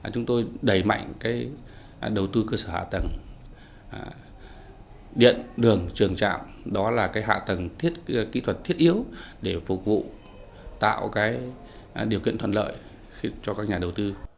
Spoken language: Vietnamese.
chúng tôi đẩy mạnh đầu tư cơ sở hạ tầng điện đường trường trạm đó là hạ tầng kỹ thuật thiết yếu để phục vụ tạo điều kiện thuận lợi cho các nhà đầu tư